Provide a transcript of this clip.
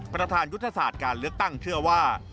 ประธานยุทธศาสตร์การเลือกตั้งเชื่อว่า